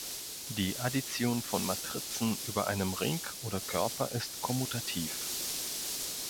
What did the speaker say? Die Addition von Matrizen über einem Ring oder Körper ist kommutativ.